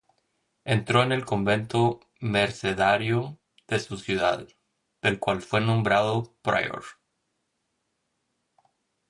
Entró en el convento mercedario de su ciudad, del cual fue nombrado prior.